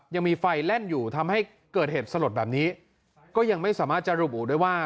ยังมีไฟแล่นอยู่ทำให้เกิดเหตุสลดแบบนี้ก็ยังไม่สามารถจะระบุได้ว่า